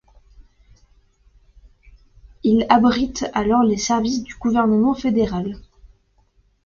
Il abrite alors les services du gouvernement fédéral.